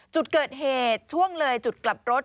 จุดเกิดเหตุช่วงเลยจุดกลับรถ